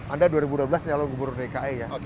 anda dua ribu dua belas nyalon gubernur dki ya